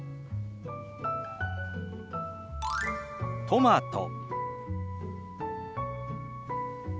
「トマト」。